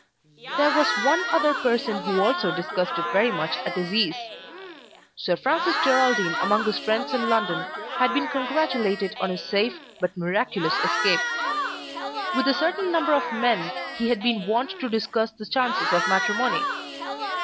There was one other person who also discussed it very much at his ease. Sir Francis Geraldine among his friends in London had been congratulated on his safe but miraculous escape. With a certain number of men he had been wont to discuss the chances of matrimony.